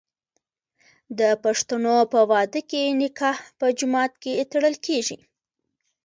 د پښتنو په واده کې نکاح په جومات کې تړل کیږي.